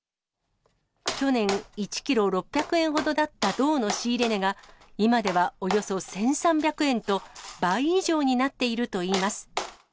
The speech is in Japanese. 去年、１キロ６００円ほどだった銅の仕入れ値が、今ではおよそ１３００円と、倍以上になっているといいます。